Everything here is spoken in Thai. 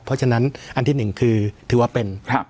เพราะฉะนั้นอันที่หนึ่งคือถือว่าเป็น